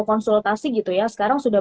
konsultasi gitu ya sekarang sudah